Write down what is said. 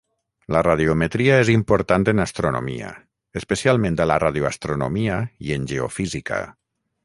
La radiometria és important en astronomia, especialment a la radioastronomia i en geofísica.